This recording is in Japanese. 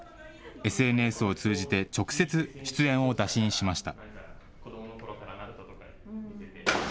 ＳＮＳを通じて直接、出演を打診しました。